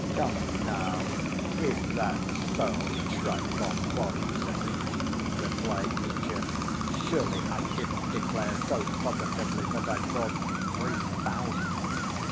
"Come now, is that so, Trifon Borissovitch?" replied Mitya. "Surely I didn't declare so positively that I'd brought three thousand?"